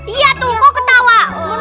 iya tuh kok ketawa